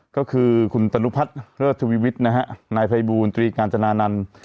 ก็คือคุณตนุพัฒน์เลิศทวิวิทย์นะฮะนายภัยบูลตรีกาญจนานันต์